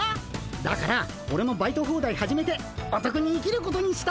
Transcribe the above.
だからオレもバイトホーダイ始めておとくに生きることにしたのさ。